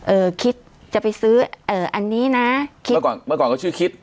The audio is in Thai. คิดจะไปซื้อเอ่ออันนี้นะคิดเมื่อก่อนเมื่อก่อนก็ชื่อคิด